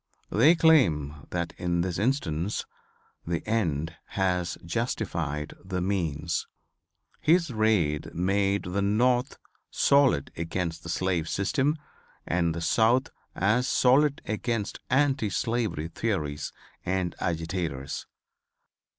They claim that in this instance "The End has justified the Means." His raid made the North solid against the slave system and the South as solid against anti slavery theories and agitators.